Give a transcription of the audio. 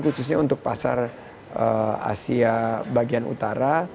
khususnya untuk pasar asia bagian utara